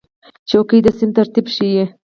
چوکۍ د صنف ترتیب ښیي.